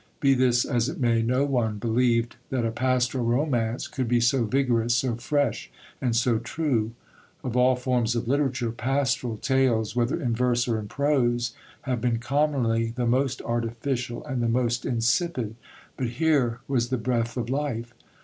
Be this as it may, no one believed that a pastoral romance could be so vigorous, so fresh, and so true. Of all forms of literature, pastoral tales, whether in verse or in prose, have been commonly the most artificial and the most insipid; but here was the breath of life.